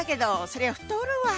そりゃ太るわ。